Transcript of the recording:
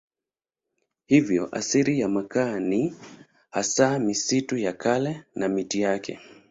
Hivyo asili ya makaa ni hasa misitu ya kale na miti yake.